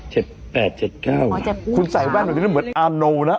เจ็ดแปดเจ็ดเก้าคุณใส่แว่นเหมือนอันนูนะ